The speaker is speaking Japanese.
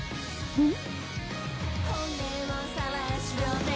うん？